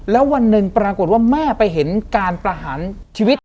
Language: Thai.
แล้ววันหนึ่งปรากฏว่าแม่ไปเห็นการประหารชีวิต